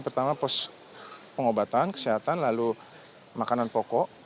pertama pos pengobatan kesehatan lalu makanan pokok